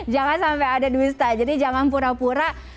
jangan sampai ada dusta jadi jangan pura pura